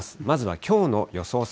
まずはきょうの予想